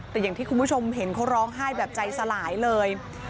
แต่อย่างที่คุณผู้ชมเห็นเขาร้องไห้แบบใจสลายเลย